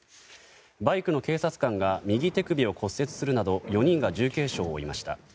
バイクの警察官が右手首を骨折するなど４人が重軽傷を負いました。